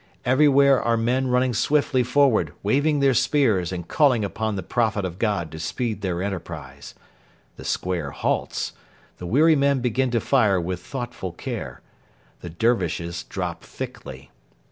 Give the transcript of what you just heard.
Everywhere are men running swiftly forward, waving their spears and calling upon the Prophet of God to speed their enterprise. The square halts. The weary men begin to fire with thoughtful care, The Dervishes drop thickly.